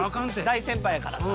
大先輩やからさ。